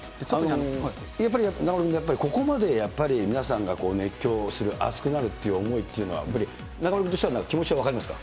やっぱり中丸君、ここまでやっぱり皆さんが熱狂する、熱くなるという思いっていうのは、やっぱり中丸君としては気持ちは分かりますか。